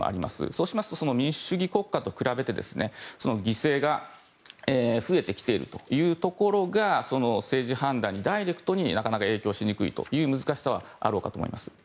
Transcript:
そうしますと民主主義国家と比べて犠牲が増えてきているというところが政治判断にダイレクトに影響しにくいという難しさはあろうかと思います。